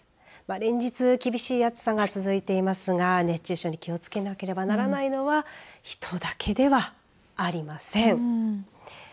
連日厳しい暑さが続いていますが熱中症に気を付けなければならないのは人だけではありません。